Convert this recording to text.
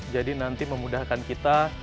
jadi nanti memudahkan kita